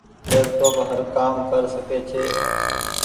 ليپ ٽوپ هر ڪآ م ڪر ڪسي ڇي۔